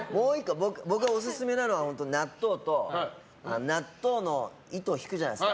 僕がオススメなのは納豆の糸引くじゃないですか。